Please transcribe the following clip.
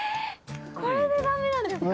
これでダメなんですか。